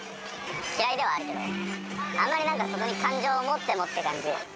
嫌いではあるけど、あんまりなんかそこに感情を持ってもって感じ。